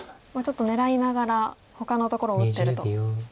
ちょっと狙いながらほかのところを打ってると。